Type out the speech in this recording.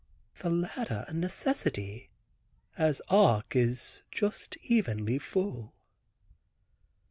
The latter a necessity, as Arc is just evenly full."